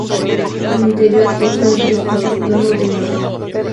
Al interior consta de tres pisos planos de madera.